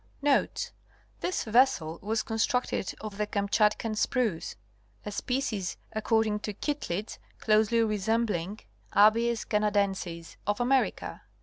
Notes.—This vessel was constructed of the Kamchatkan spruce, a species according to Kittlitz closely resembling Abies canadensis of America.